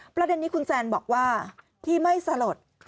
ประเด็นนี้คุณแซนบอกว่าที่ไม่สลด